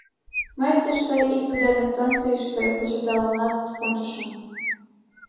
Мый тыште икте дене станцийыште кучедалынат ончышым.